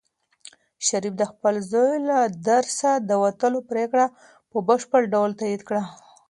شریف د خپل زوی له درسه د وتلو پرېکړه په بشپړ ډول تایید کړه.